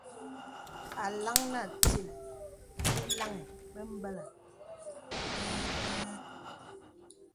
A LAŋ Nə Atīl īlaŋī bə̀mbələ̀.